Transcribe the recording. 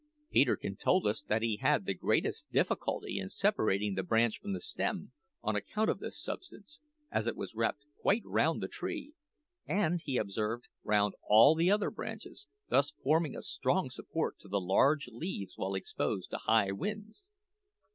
Peterkin told us that he had the greatest difficulty in separating the branch from the stem on account of this substance, as it was wrapped quite round the tree, and, he observed, round all the other branches, thus forming a strong support to the large leaves while exposed to high winds.